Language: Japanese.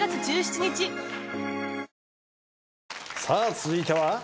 さあ続いては？